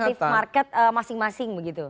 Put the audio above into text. menjaga captive market masing masing begitu